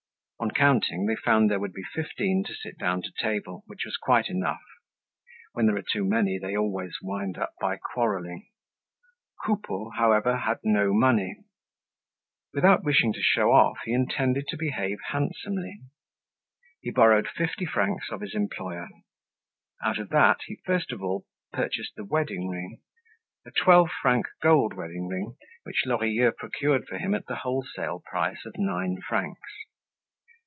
On counting, they found there would be fifteen to sit down to table, which was quite enough. When there are too many, they always wind up by quarrelling. Coupeau however, had no money. Without wishing to show off, he intended to behave handsomely. He borrowed fifty francs of his employer. Out of that, he first of all purchased the wedding ring—a twelve franc gold wedding ring, which Lorilleux procured for him at the wholesale price of nine francs.